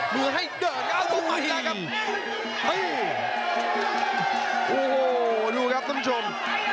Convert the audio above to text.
มือให้เดินอ้าวอุ้ยอ้าวดูครับท่านผู้ชม